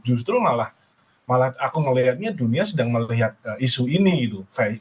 justru malah malah aku melihatnya dunia sedang melihat isu ini gitu